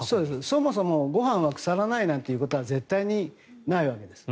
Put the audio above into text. そもそもご飯は腐らないなんてことは絶対にないわけです。